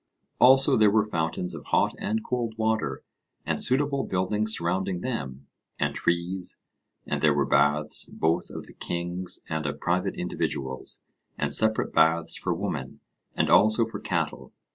Also there were fountains of hot and cold water, and suitable buildings surrounding them, and trees, and there were baths both of the kings and of private individuals, and separate baths for women, and also for cattle.